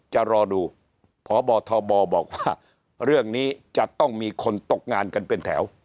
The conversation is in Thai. จะรอดูพบทบบอกว่าเรื่องนี้จะต้องมีคนตกงานกันเป็นแถว